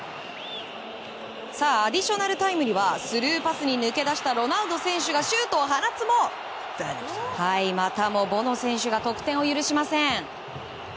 アディショナルタイムにはスルーパスに抜け出したロナウド選手がシュートを放つもまたも、ボノ選手が得点を許しません。